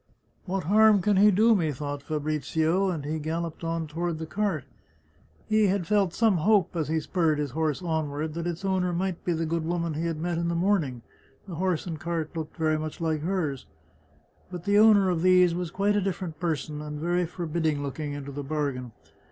" What harm can he do me ?" thought Fabrizio, and he galloped on toward the cart. He had felt some hope, as 46 The Chartreuse of Parma he spurred his horse onward, that its owner might be the good woman he had met in the morning — the horse and cart looked very much Hke hers. But the owner of these was quite a different person, and very forbidding looking into the bargain.